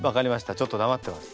ちょっとだまってます。